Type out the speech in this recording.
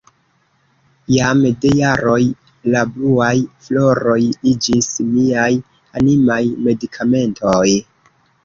Jam de jaroj la bluaj floroj iĝis miaj animaj medikamentoj.